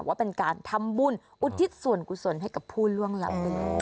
ว่าเป็นการทำบุญอุทิศส่วนกุศลให้กับผู้ล่วงลับไปแล้ว